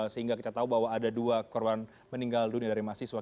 sehingga kita tahu bahwa ada dua korban meninggal dunia dari mahasiswa